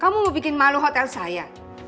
kamu mau bikin malu hotel saya